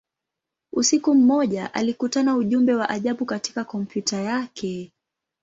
Usiku mmoja, alikutana ujumbe wa ajabu katika kompyuta yake.